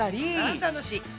あ楽しい。